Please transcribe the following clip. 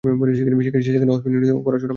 সে সেখানে অক্সফোর্ড ইউনিভার্সিটিতে পড়াশোনা করে।